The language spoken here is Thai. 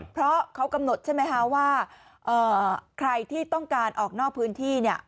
เพราะเขากำหนดใช่ไหมคะว่าใครที่ต้องการออกนอกพื้นที่เนี่ย